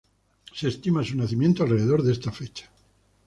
Se estima su nacimiento alrededor de esta fecha.